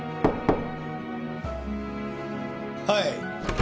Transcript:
はい。